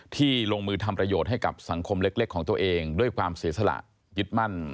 ลงมือทำประโยชน์ให้กับสังคมเล็กของตัวเองด้วยความเสียสละยึดมั่น